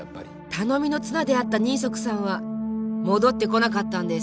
頼みの綱であった人足さんは戻ってこなかったんです。